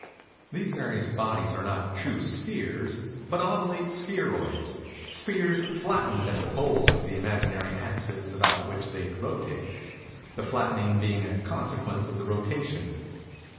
These various bodies are not true spheres, but oblate spheroids—spheres flattened at the poles of the imaginary axes about which they rotate:—the flattening being a consequence of the rotation.